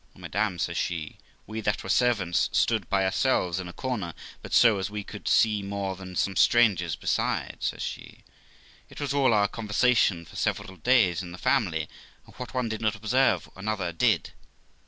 'Oh, madam!', says she, 'we that were servants stood by ourselves in a corner, but so as we could see more than some strangers ; besides ', says she, 'it was all our conversation for several days in the family, and what one did not observe another did.'